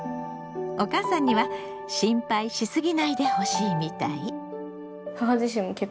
お母さんには心配し過ぎないでほしいみたい。